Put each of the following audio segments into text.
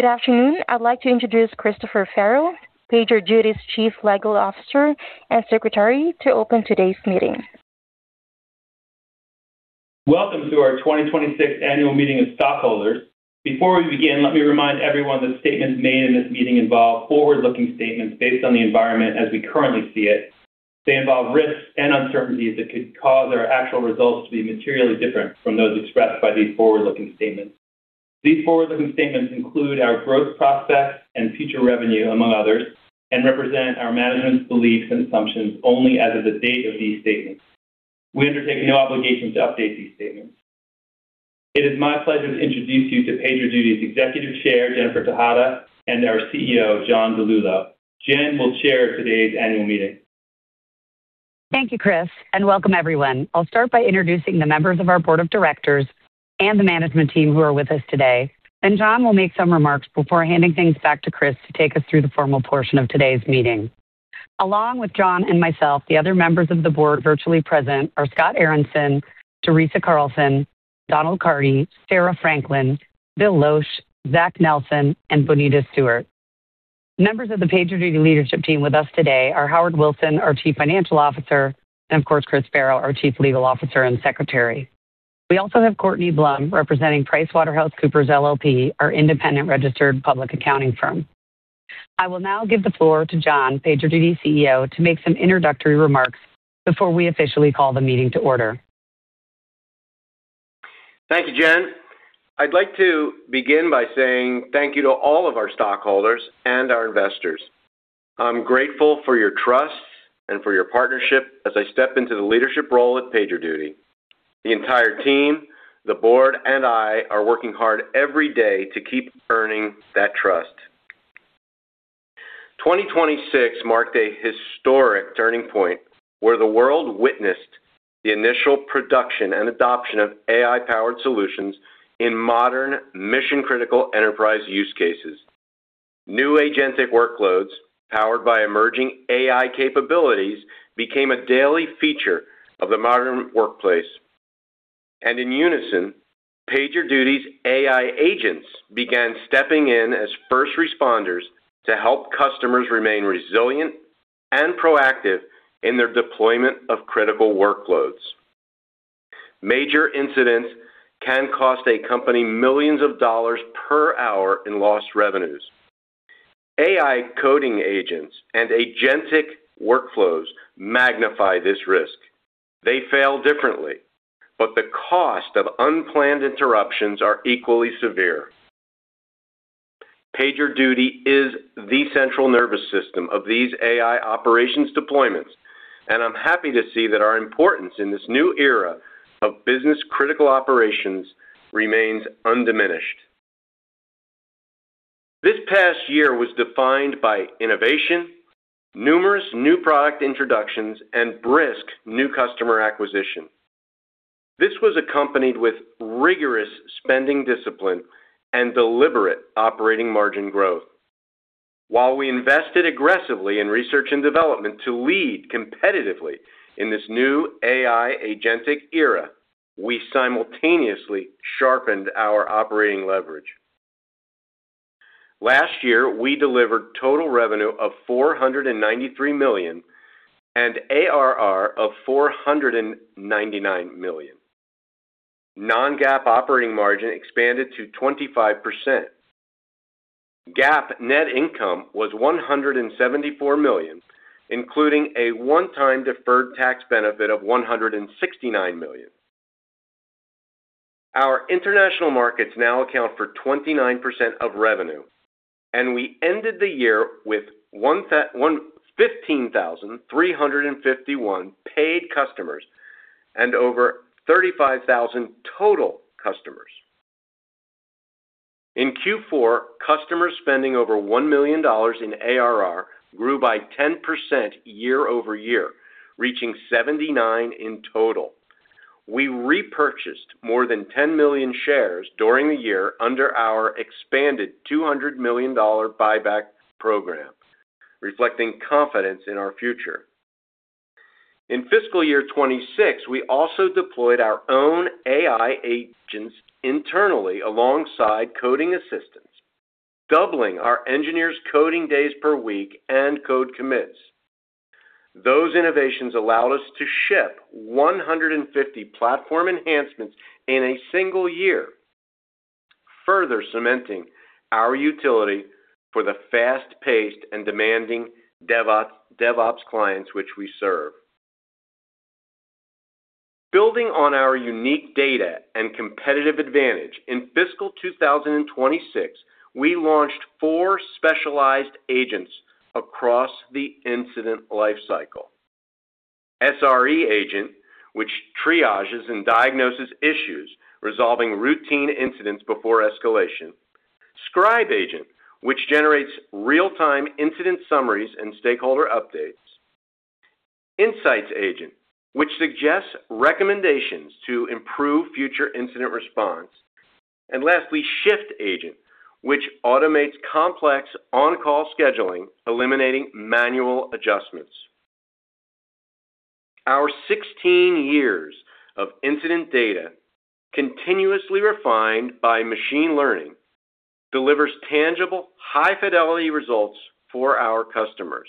Good afternoon. I'd like to introduce Christopher Ferro, PagerDuty's Chief Legal Officer and Secretary, to open today's meeting. Welcome to our 2026 Annual Meeting of Stockholders. Before we begin, let me remind everyone that statements made in this meeting involve forward-looking statements based on the environment as we currently see it. They involve risks and uncertainties that could cause our actual results to be materially different from those expressed by these forward-looking statements. These forward-looking statements include our growth prospects and future revenue, among others, and represent our management's beliefs and assumptions only as of the date of these statements. We undertake no obligation to update these statements. It is my pleasure to introduce you to PagerDuty's Executive Chair, Jennifer Tejada, and our CEO, John DiLullo. Jen will chair today's annual meeting. Thank you, Chris, and welcome everyone. I'll start by introducing the members of our board of directors and the management team who are with us today. John will make some remarks before handing things back to Chris to take us through the formal portion of today's meeting. Along with John and myself, the other members of the board virtually present are Scott Aronson, Teresa Carlson, Donald Carty, Sarah Franklin, Bill Losch, Zachary Nelson, and Bonita Stewart. Members of the PagerDuty leadership team with us today are Howard Wilson, our Chief Financial Officer, and of course, Chris Ferro, our Chief Legal Officer and Secretary. We also have Courtney Blum representing PricewaterhouseCoopers LLP, our independent registered public accounting firm. I will now give the floor to John, PagerDuty's CEO, to make some introductory remarks before we officially call the meeting to order. Thank you, Jen. I'd like to begin by saying thank you to all of our stockholders and our investors. I'm grateful for your trust and for your partnership as I step into the leadership role at PagerDuty. The entire team, the board, and I are working hard every day to keep earning that trust. 2026 marked a historic turning point where the world witnessed the initial production and adoption of AI-powered solutions in modern mission-critical enterprise use cases. New agentic workloads, powered by emerging AI capabilities, became a daily feature of the modern workplace. In unison, PagerDuty's AI Agents began stepping in as first responders to help customers remain resilient and proactive in their deployment of critical workloads. Major incidents can cost a company millions of dollars per hour in lost revenues. AI coding agents and agentic workflows magnify this risk. They fail differently, the cost of unplanned interruptions are equally severe. PagerDuty is the central nervous system of these AI operations deployments, and I'm happy to see that our importance in this new era of business-critical operations remains undiminished. This past year was defined by innovation, numerous new product introductions, and brisk new customer acquisition. This was accompanied with rigorous spending discipline and deliberate operating margin growth. While we invested aggressively in research and development to lead competitively in this new AI agentic era, we simultaneously sharpened our operating leverage. Last year, we delivered total revenue of $493 million and ARR of $499 million. Non-GAAP operating margin expanded to 25%. GAAP net income was $174 million, including a one-time deferred tax benefit of $169 million. Our international markets now account for 29% of revenue, we ended the year with 15,351 paid customers and over 35,000 total customers. In Q4, customer spending over $1 million in ARR grew by 10% year-over-year, reaching 79 in total. We repurchased more than 10 million shares during the year under our expanded $200 million buyback program, reflecting confidence in our future. In fiscal year 2026, we also deployed our own AI agents internally alongside coding assistants, doubling our engineers' coding days per week and code commits. Those innovations allowed us to ship 150 platform enhancements in a single year, further cementing our utility for the fast-paced and demanding DevOps clients which we serve. Building on our unique data and competitive advantage, in fiscal 2026, we launched four specialized agents across the incident life cycle. SRE Agent, which triages and diagnoses issues, resolving routine incidents before escalation. Scribe Agent, which generates real-time incident summaries and stakeholder updates. Insights Agent, which suggests recommendations to improve future incident response. Lastly, Shift Agent, which automates complex on-call scheduling, eliminating manual adjustments. Our 16 years of incident data, continuously refined by machine learning, delivers tangible, high-fidelity results for our customers.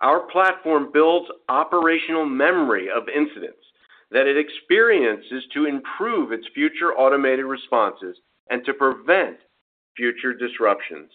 Our platform builds operational memory of incidents that it experiences to improve its future automated responses and to prevent future disruptions.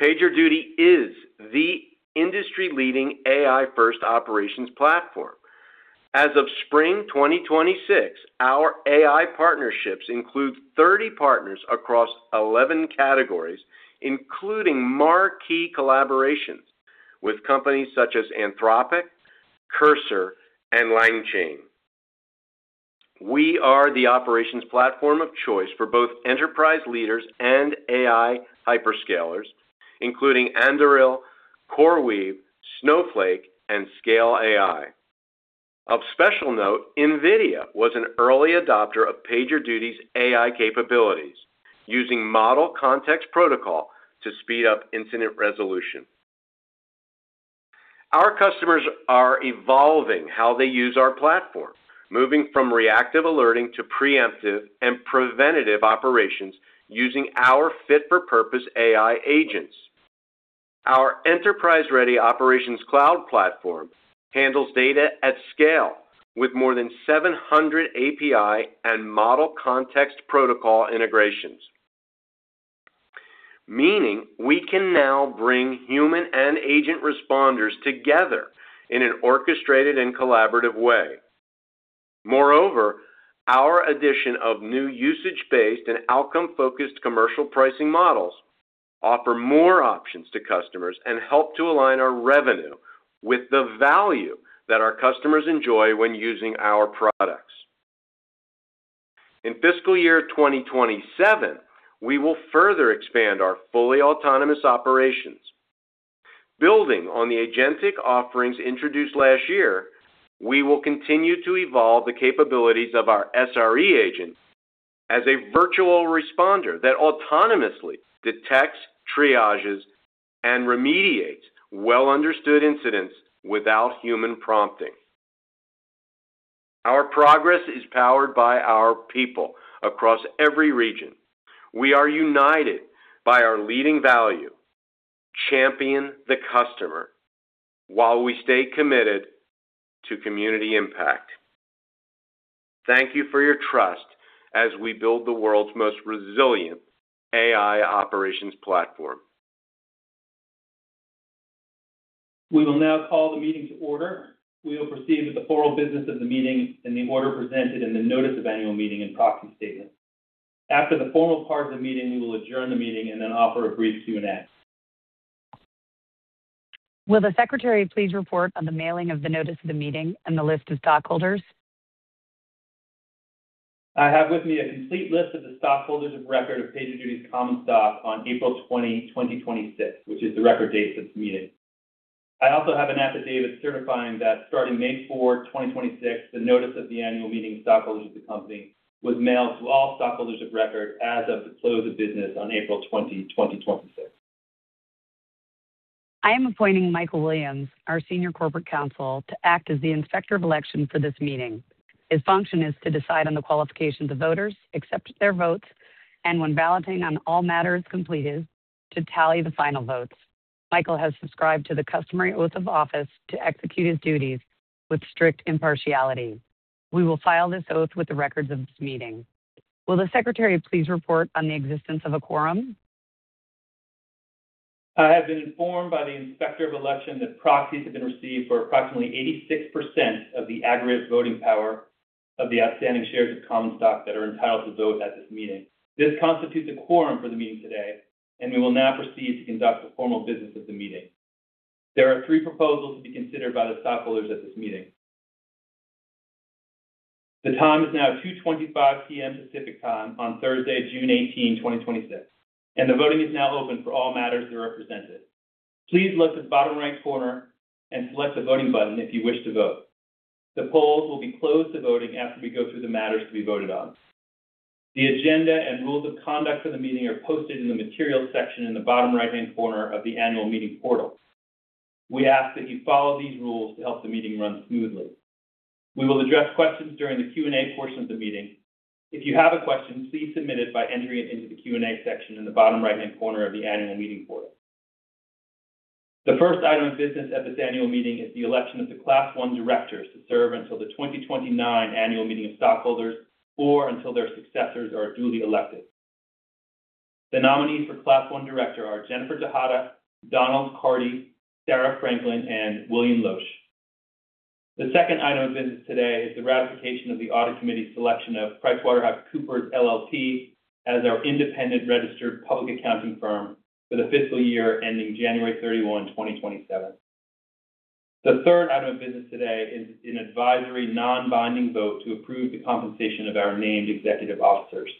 PagerDuty is the industry-leading AI-first operations platform. As of spring 2026, our AI partnerships include 30 partners across 11 categories, including marquee collaborations with companies such as Anthropic, Cursor, and LangChain. We are the operations platform of choice for both enterprise leaders and AI hyperscalers, including Anduril, CoreWeave, Snowflake, and Scale AI. Of special note, NVIDIA was an early adopter of PagerDuty's AI capabilities using Model Context Protocol to speed up incident resolution. Our customers are evolving how they use our platform, moving from reactive alerting to preemptive and preventative operations using our fit-for-purpose AI agents. Our enterprise-ready operations cloud platform handles data at scale with more than 700 API and Model Context Protocol integrations, meaning we can now bring human and agent responders together in an orchestrated and collaborative way. Our addition of new usage-based and outcome-focused commercial pricing models offer more options to customers and help to align our revenue with the value that our customers enjoy when using our products. In fiscal year 2027, we will further expand our fully autonomous operations. Building on the agentic offerings introduced last year, we will continue to evolve the capabilities of our SRE Agent as a virtual responder that autonomously detects, triages, and remediates well-understood incidents without human prompting. Our progress is powered by our people across every region. We are united by our leading value, champion the customer, while we stay committed to community impact. Thank you for your trust as we build the world's most resilient AI operations platform. We will now call the meeting to order. We will proceed with the formal business of the meeting in the order presented in the notice of annual meeting and proxy statement. After the formal part of the meeting, we will adjourn the meeting then offer a brief Q&A. Will the secretary please report on the mailing of the notice of the meeting and the list of stockholders? I have with me a complete list of the stockholders of record of PagerDuty's common stock on April 20, 2026, which is the record date for this meeting. I also have an affidavit certifying that starting May 4, 2026, the notice of the annual meeting of stockholders of the company was mailed to all stockholders of record as of the close of business on April 20, 2026. I am appointing Michael Williams, our Senior Corporate Counsel, to act as the Inspector of Election for this meeting. His function is to decide on the qualifications of voters, accept their votes, and when balloting on all matters completed, to tally the final votes. Michael has subscribed to the customary oath of office to execute his duties with strict impartiality. We will file this oath with the records of this meeting. Will the Secretary please report on the existence of a quorum? I have been informed by the Inspector of Election that proxies have been received for approximately 86% of the aggregate voting power of the outstanding shares of common stock that are entitled to vote at this meeting. This constitutes a quorum for the meeting today. We will now proceed to conduct the formal business of the meeting. There are three proposals to be considered by the stockholders at this meeting. The time is now 2:25 P.M. Pacific Time on Thursday, June 18, 2026. The voting is now open for all matters that are presented. Please look to the bottom right corner and select the voting button if you wish to vote. The polls will be closed to voting after we go through the matters to be voted on. The agenda and rules of conduct for the meeting are posted in the materials section in the bottom right-hand corner of the annual meeting portal. We ask that you follow these rules to help the meeting run smoothly. We will address questions during the Q&A portion of the meeting. If you have a question, please submit it by entering it into the Q&A section in the bottom right-hand corner of the annual meeting portal. The first item of business at this annual meeting is the election of the Class I Directors to serve until the 2029 Annual Meeting of Stockholders or until their successors are duly elected. The nominees for Class I Director are Jennifer Tejada, Donald Carty, Sarah Franklin, and William Losch. The second item of business today is the ratification of the Audit Committee's selection of PricewaterhouseCoopers LLP as our independent registered public accounting firm for the fiscal year ending January 31, 2027. The third item of business today is an advisory, non-binding vote to approve the compensation of our named executive officers.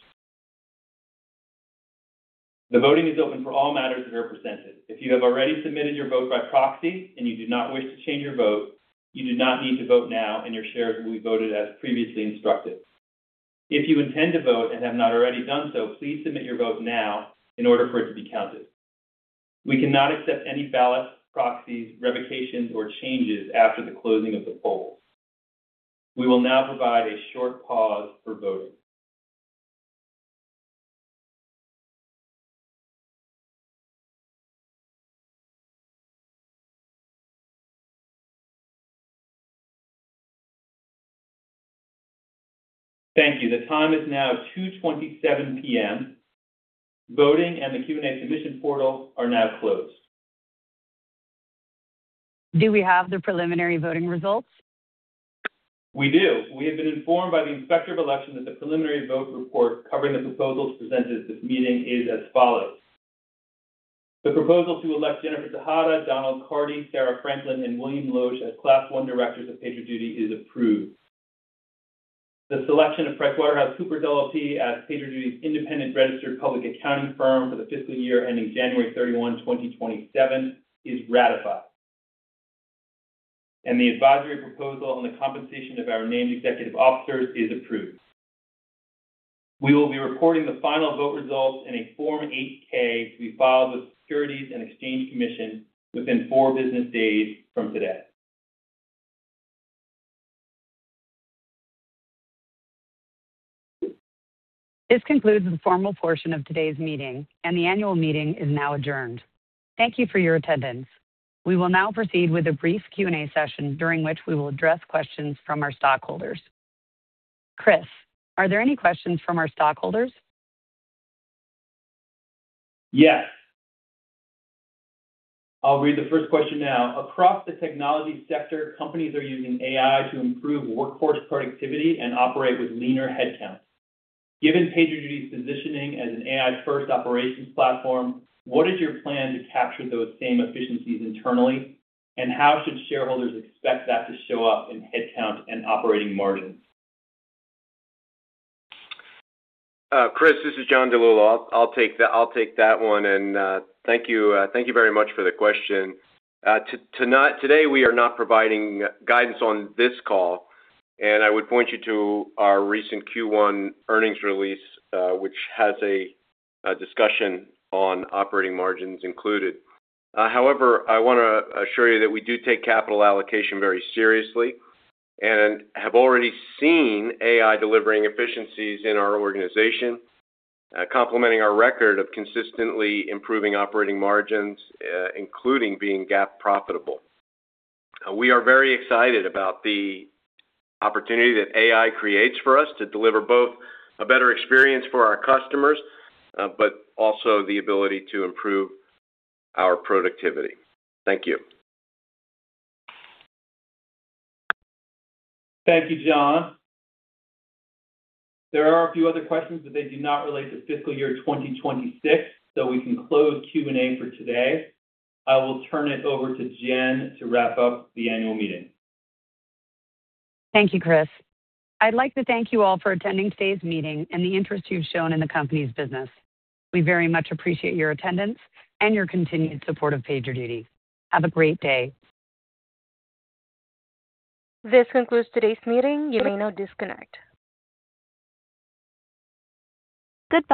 The voting is open for all matters that are presented. If you have already submitted your vote by proxy and you do not wish to change your vote, you do not need to vote now. Your shares will be voted as previously instructed. If you intend to vote and have not already done so, please submit your vote now in order for it to be counted. We cannot accept any ballots, proxies, revocations, or changes after the closing of the polls. We will now provide a short pause for voting. Thank you. The time is now 2:27 P.M. Voting and the Q&A submission portal are now closed. Do we have the preliminary voting results? We do. We have been informed by the Inspector of Election that the preliminary vote report covering the proposals presented at this meeting is as follows. The proposal to elect Jennifer Tejada, Donald Carty, Sarah Franklin, and William Losch as Class I Directors of PagerDuty is approved. The selection of PricewaterhouseCoopers LLP as PagerDuty's independent registered public accounting firm for the fiscal year ending January 31, 2027 is ratified. The advisory proposal on the compensation of our named executive officers is approved. We will be recording the final vote results in a Form 8-K to be filed with the Securities and Exchange Commission within four business days from today. This concludes the formal portion of today's meeting, and the annual meeting is now adjourned. Thank you for your attendance. We will now proceed with a brief Q&A session during which we will address questions from our stockholders. Chris, are there any questions from our stockholders? Yes. I'll read the first question now. Across the technology sector, companies are using AI to improve workforce productivity and operate with leaner headcounts. Given PagerDuty's positioning as an AI-first operations platform, what is your plan to capture those same efficiencies internally, and how should shareholders expect that to show up in headcount and operating margins? Chris, this is John DiLullo. I'll take that one. Thank you very much for the question. Today, we are not providing guidance on this call. I would point you to our recent Q1 earnings release, which has a discussion on operating margins included. I want to assure you that we do take capital allocation very seriously and have already seen AI delivering efficiencies in our organization, complementing our record of consistently improving operating margins, including being GAAP profitable. We are very excited about the opportunity that AI creates for us to deliver both a better experience for our customers, also the ability to improve our productivity. Thank you. Thank you, John. There are a few other questions. They do not relate to fiscal year 2026. We can close Q&A for today. I will turn it over to Jen to wrap up the annual meeting. Thank you, Chris. I'd like to thank you all for attending today's meeting and the interest you've shown in the company's business. We very much appreciate your attendance and your continued support of PagerDuty. Have a great day. This concludes today's meeting. You may now disconnect.